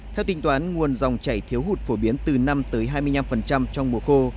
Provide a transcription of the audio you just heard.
theo tính toán nguồn dòng chảy thiếu hụt phổ biến từ năm tới hai mươi năm trong mùa khô